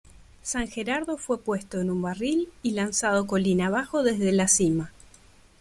San Gerardo fue puesto en un barril y lanzado colina abajo desde la cima.